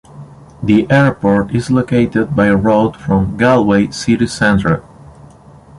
The airport is located by road from Galway city centre.